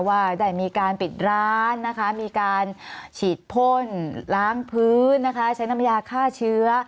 ว่าได้มีการปิดร้านนะคะมีการฉีดพ่นล้างพื้นนะคะใช้น้ำยาฆ่าเชื้อ